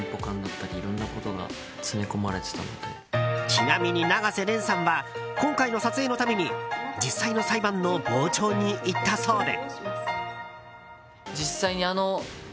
ちなみに、永瀬廉さんは今回の撮影のために実際の裁判の傍聴に行ったそうで。